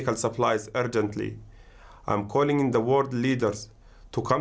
อวกาศที่เช้าก่อนในวันที่ลองบุญก็ค่า